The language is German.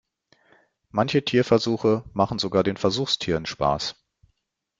Manche Tierversuche machen sogar den Versuchstieren Spaß.